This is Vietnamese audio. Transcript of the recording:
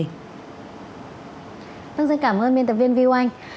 rất dân cảm ơn biên tập viên viu anh